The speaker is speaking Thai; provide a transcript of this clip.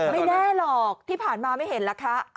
ไม่แน่หรอกที่ผ่านมาไม่เห็นล่ะคะ